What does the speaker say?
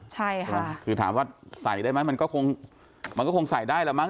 ใช่ค่ะคือถามว่าใส่ได้ไหมมันก็คงมันก็คงใส่ได้แล้วมั้